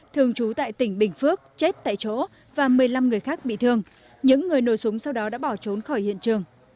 thường trú tại tỉnh bình phước chết tại chỗ và một mươi năm người khác bị thương những người nổ súng sau đó đã bỏ trốn khỏi hiện trường